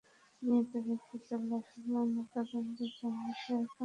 নিহত ব্যক্তিদের লাশ ময়নাতদন্তের জন্য সিরাজগঞ্জ জেনারেল হাসপাতাল মর্গে রাখা হয়েছে।